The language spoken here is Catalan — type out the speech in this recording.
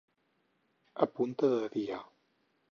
A punta de dia.